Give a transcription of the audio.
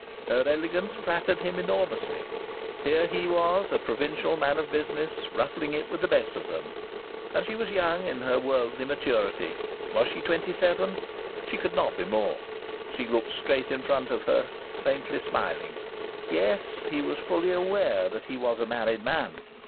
Her elegance flattered him enormously. Here he was, a provincial man of business, ruffling it with the best of them!... And she was young in her worldly maturity. Was she twenty seven? She could not be more. She looked straight in front of her, faintly smiling.... Yes, he was fully aware that he was a married man.